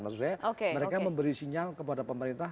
maksud saya mereka memberi sinyal kepada pemerintah